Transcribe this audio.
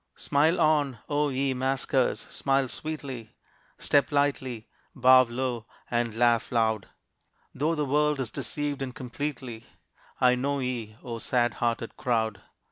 Smile on, O ye maskers, smile sweetly! Step lightly, bow low and laugh loud! Though the world is deceived and completely, I know ye, O sad hearted crowd!